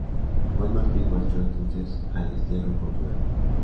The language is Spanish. Juan Martín marchó entonces al destierro en Portugal.